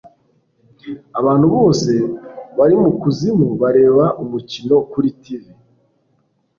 abantu bose bari mukuzimu bareba umukino kuri tv